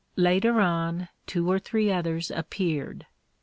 Later on two or three others appeared.